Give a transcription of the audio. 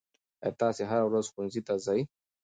آیا تاسې هره ورځ ښوونځي ته ځئ؟